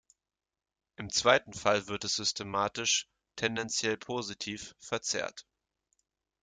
Im zweiten Fall wird es systematisch, tendenziell positiv, verzerrt.